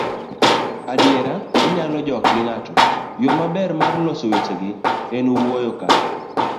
adiera, inyalo jok gi ng'ato. yo maber mar loso wechegi en wuoyo ka